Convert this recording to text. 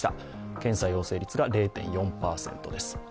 検査陽性率が０．４％です。